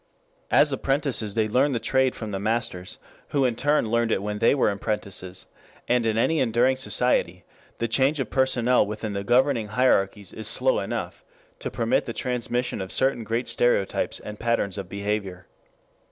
As apprentices they learn the trade from the masters, who in turn learned it when they were apprentices, and in any enduring society, the change of personnel within the governing hierarchies is slow enough to permit the transmission of certain great stereotypes and patterns of behavior.